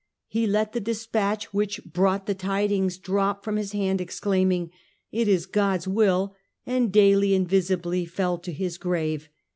He let the despatch Death of which brought the tidings drop from his hand, Philip IV. exclaiming, * It is God's will !' and daily and visibly fell to his grave.